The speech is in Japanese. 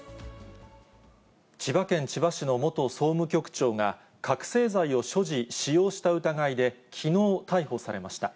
千葉県千葉市の元総務局長が、覚醒剤を所持、使用した疑いで、きのう逮捕されました。